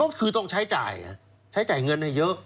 ก็คือต้องใช้จ่ายใช้จ่ายเงินให้เยอะ